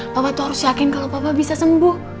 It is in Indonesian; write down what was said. papa tuh harus yakin kalau papa bisa sembuh